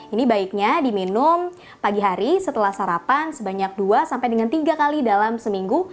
ini baiknya diminum pagi hari setelah sarapan sebanyak dua sampai dengan tiga kali dalam seminggu